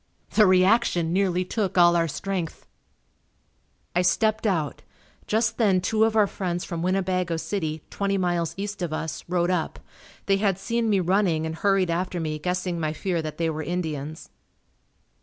The reaction nearly took all our strength. I stepped out. Just then two of our friends from Winnebago City, twenty miles east of us, rode up. They had seen me running and hurried after me guessing my fear that they were Indians.